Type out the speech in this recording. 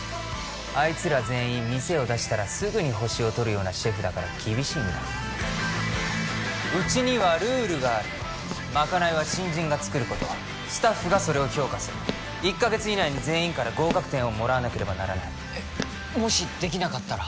あいつら全員店を出したらすぐに星をとるようなシェフだから厳しいんだうちにはルールがあるまかないは新人が作ることスタッフがそれを評価する１カ月以内に全員から合格点をもらわなければならないえっもしできなかったら？